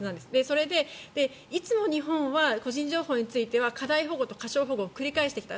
それで、いつも日本は個人情報については過大保護と過少保護を繰り返してきた。